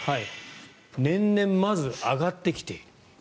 年々、まず上がってきている。